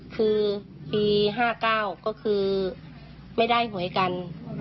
คือปี๕๙ก็คือไม่ได้หวยกัน